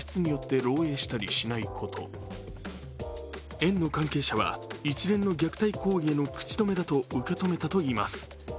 園の関係者は、一連の虐待行為への口止めだと受け止めたといいます。